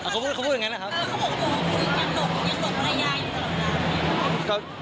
เขาพูดอย่างเงี้ยนะครับ